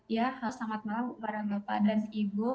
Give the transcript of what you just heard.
ya selamat malam para bapak dan ibu